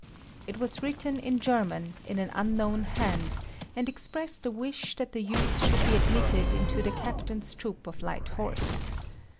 It was written in German, in an unknown hand, and expressed a wish that the youth should be admitted into the captain's troop of Light Horse.